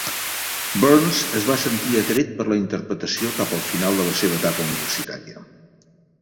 Burns es va sentir atret per la interpretació cap al final de la seva etapa universitària.